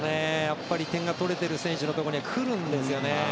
やっぱり点が取れている選手のところには来るんですよね。